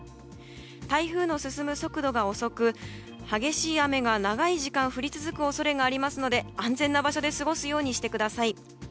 台風の進む速度が遅く激しい雨が長い時間降り続く恐れがありますので安全な場所で過ごすようにしてください。